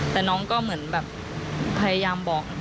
แต่น้องก็เหมือนแบบพยายามบอก